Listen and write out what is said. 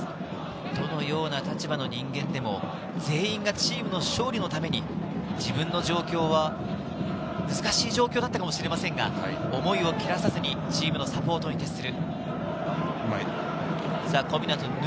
どんな立場の人間でも全員がチームの勝利のために、自分の状況は難しい状況だったかもしれませんが、思いを切らさずに、チームのサポートに徹する。